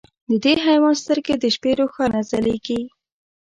د دې حیوان سترګې د شپې روښانه ځلېږي.